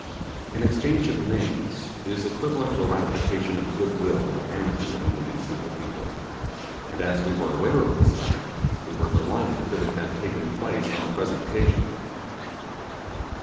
An exchange of names is equivalent to a ratification of good will and amity among these simple people; and as we were aware of this fact, we were delighted that it had taken place on the present occasion.